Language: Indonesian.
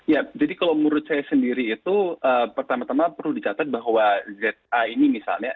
ya jadi kalau menurut saya sendiri itu pertama tama perlu dicatat bahwa za ini misalnya